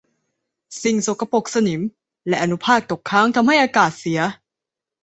สิ่งสกปรกสนิมและอนุภาคตกค้างทำให้อากาศเสีย